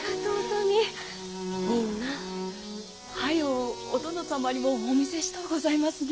早うお殿様にもお見せしとうございますね！